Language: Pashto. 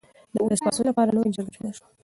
د ولسي پاڅون لپاره لویه جرګه جوړه شوه.